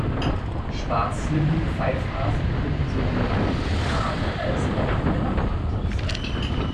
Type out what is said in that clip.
Schwarzlippen-Pfeifhasen können sowohl am Tag als auch in der Nacht aktiv sein.